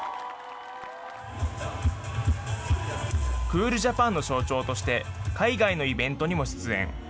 クールジャパンの象徴として、海外のイベントにも出演。